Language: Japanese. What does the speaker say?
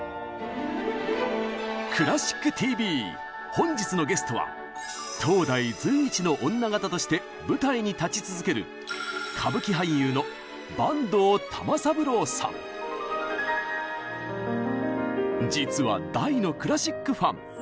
「クラシックＴＶ」本日のゲストは当代随一の女形として舞台に立ち続ける実は大のクラシックファン！